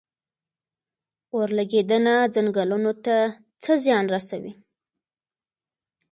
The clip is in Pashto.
اورلګیدنه ځنګلونو ته څه زیان رسوي؟